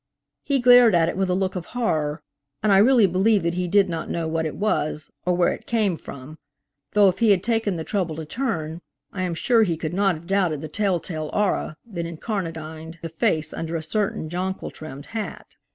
He glared at it with a look of horror, and I really believe that he did not know what it was, or where it came from, though if he had taken the trouble to turn, I am sure he could not have doubted the tell tale aurora that en carnadined the face under a certain jonquil trimmed hat.